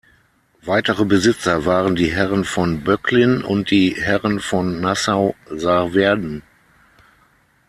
Weitere Besitzer waren die Herren von Böcklin und die Herren von Nassau-Saarwerden.